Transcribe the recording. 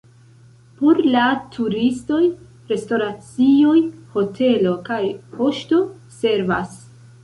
Por la turistoj restoracioj, hotelo kaj poŝto servas.